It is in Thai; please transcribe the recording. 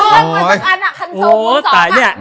โหตายเนี่ย